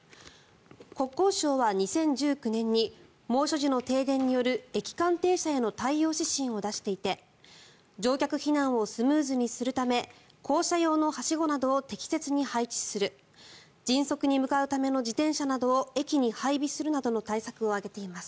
国交省は２０１９年に猛暑時の停電による駅間停車への対応指針を出していて乗客避難をスムーズにするため降車用のはしごなどを適切に配置する迅速に向かうための自転車などを駅に配備するなどの対策を挙げています。